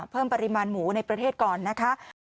เพิ่มปริมาณหมูในประเทศก่อนนะคะ